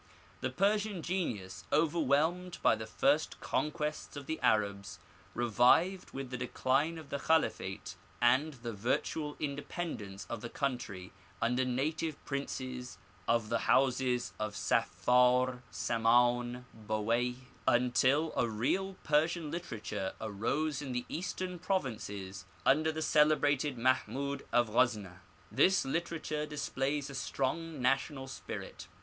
The Persian genius, overwhelmed by the first conquests of the Arabs, revived with the decline of the Klialifate and the virtual independence of the country under native princes of the houses of Saff&r, Saman, Bowaih, until a real Persian literature arose in the eastern provinces under the celebrated Mahmud of Ghazna. This literature displays a strong national spirit.